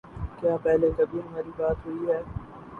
کیا پہلے کبھی ہماری بات ہوئی ہے